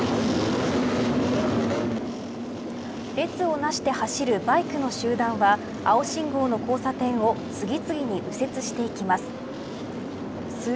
列をなして走るバイクの集団は青信号の交差点を次々に右折していきます。